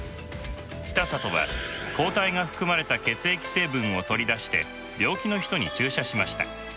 北里は抗体が含まれた血液成分を取り出して病気の人に注射しました。